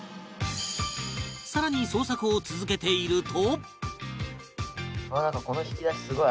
更に捜索を続けていると